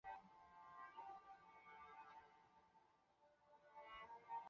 娶宰相吴充长女。